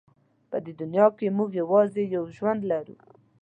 په دې دنیا کې موږ یوازې یو ژوند لرو.